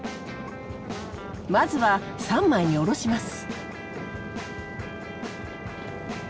まずは三枚におろします。